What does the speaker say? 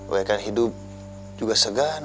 lo kan hidup juga segan